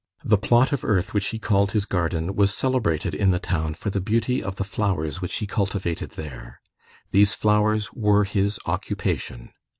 The plot of earth which he called his garden was celebrated in the town for the beauty of the flowers which he cultivated there. These flowers were his occupation.